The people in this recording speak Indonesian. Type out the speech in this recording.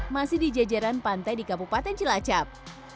masih di jajaran pantai di kabupaten cilacap